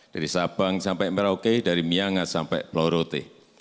dari sabang sampai merauke dari myanga sampai blorote